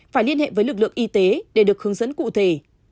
phải liên hệ với lực lượng y tế để được hướng dẫn cụ thể